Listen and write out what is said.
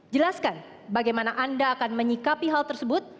jelaskan bagaimana anda akan menyikapi hal tersebut